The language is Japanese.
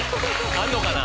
あるのかな？